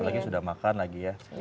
apalagi sudah makan lagi ya